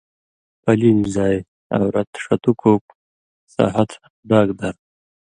پلیلیۡ زائ (عورت) ݜتُوک ووک سہتہۡ ڈاگ دھر